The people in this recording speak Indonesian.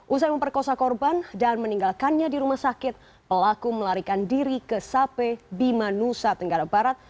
usai memperkosa korban dan meninggalkannya di rumah sakit pelaku melarikan diri ke sape bima nusa tenggara barat